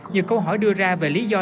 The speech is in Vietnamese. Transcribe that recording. nhiều câu hỏi đưa ra về lý do